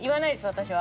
私は。